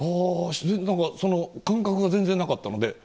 その感覚が全然なかったので。